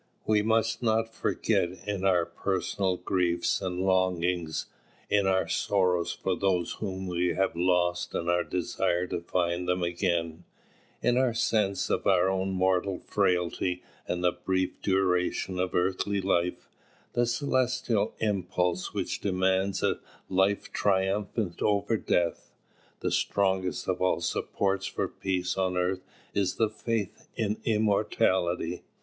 We must not forget in our personal griefs and longings, in our sorrows for those whom we have lost and our desire to find them again, in our sense of our own mortal frailty and the brief duration of earthly life, the celestial impulse which demands a life triumphant over death. The strongest of all supports for peace on earth is the faith in immortality.